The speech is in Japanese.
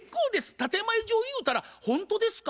建て前上言うたら「ほんとですか？」